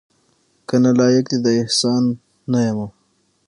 کنه لایق دې د احسان نه یمه